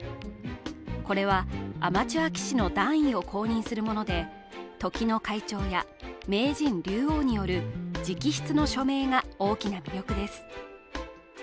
これはアマチュア棋士の段位を公認するもので、時の会長や名人・竜王による直筆の署名が大きな魅力です。